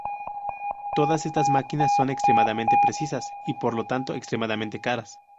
Todas estas máquinas son extremadamente precisas, y por lo tanto, extremadamente caras.